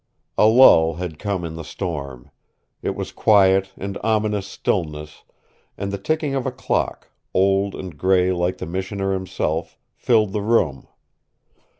A lull had come in the storm. It was quiet and ominous stillness, and the ticking of a clock, old and gray like the Missioner himself, filled the room.